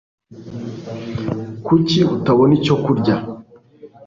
kuki utabona icyo kurya